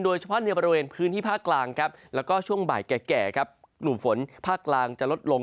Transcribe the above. โดยเฉพาะในบริเวณพื้นที่ภาคกลางครับแล้วก็ช่วงบ่ายแก่ครับกลุ่มฝนภาคกลางจะลดลง